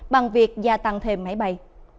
bằng việc gia tăng thêm máy bay